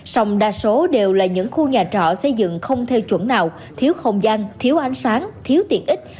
sông đa số đều là những khu nhà trọ xây dựng không theo chuẩn nào thiếu không gian thiếu ánh sáng thiếu tiện ích